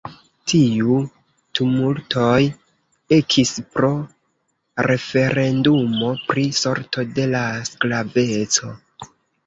Tiu tumultoj ekis pro referendumo pri sorto de la sklaveco.